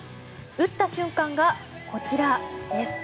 打った瞬間がこちらです。